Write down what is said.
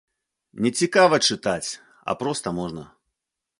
Не цікава чытаць, а проста можна.